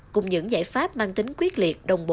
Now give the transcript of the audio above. cùng những giải pháp mang tính quyết liệt đồng bộ